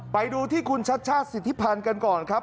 ไปดูที่คุณชัชชาติสิทธิพันธ์กันก่อนครับ